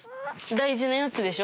大事なやつでしょ？